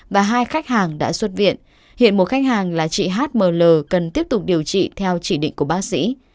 và hai khách hàng đã xuất viện hiện một khách hàng là chị h m l cần tiếp tục điều trị theo chỉ định của bác sĩ